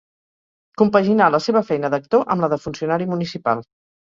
Compaginà la seva feina d'actor amb la de funcionari municipal.